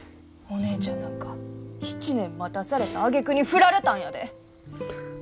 お姉ちゃんなんか７年待たされたあげくに振られたんやで！？